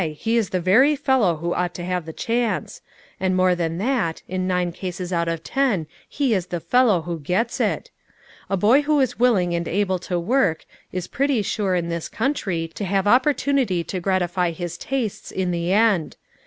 He is the very fellow who ought to have the chance ; and more than that, in nine cases out of ten he is the fellow who gets it. A boy who is willing and able to work, is pretty sure, in this country, to have opportunity to gratify his tastes in the end.